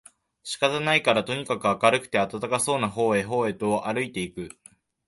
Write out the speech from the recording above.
仕方がないからとにかく明るくて暖かそうな方へ方へとあるいて行く